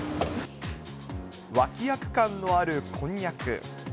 わき役感のあるこんにゃく。